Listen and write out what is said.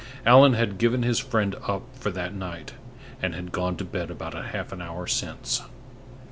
Allan had given his friend up for that night, and had gone to bed about half an hour since.